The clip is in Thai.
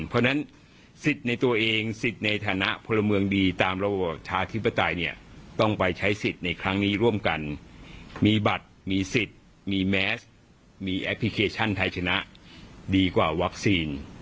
เพราะฉะนั้นสิทธิ์ในตัวเองสิทธิ์ในฐานะพลเมืองดีตามระบอบประชาธิปไตยเนี่ยต้องไปใช้สิทธิ์ในครั้งนี้ร่วมกันมีบัตรมีสิทธิ์มีแมสมีแอปพลิเคชันไทยชนะดีกว่าวัคซีน